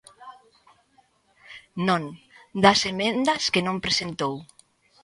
Non, ¡das emendas que non presentou!